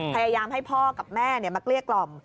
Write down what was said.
พยายามให้พ่อกับแม่มาเกลี้ยกล่อม